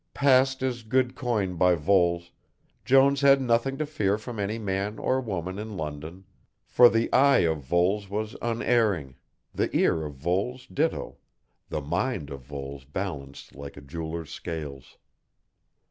Passed as good coin by Voles, Jones had nothing to fear from any man or woman in London, for the eye of Voles was unerring, the ear of Voles ditto, the mind of Voles balanced like a jeweller's scales.